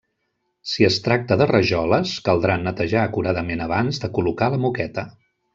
Si es tracta de rajoles, caldrà netejar acuradament abans de col·locar la moqueta.